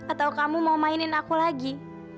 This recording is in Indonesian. atau kamu mau mainin aku lagi